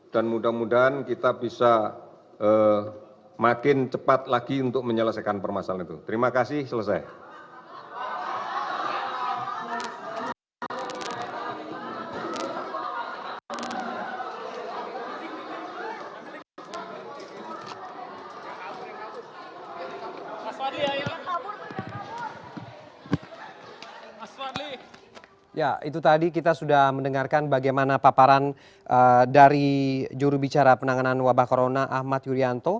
dan mudah mudahan kita bisa makin cepat lagi untuk menyelesaikan permasalahan itu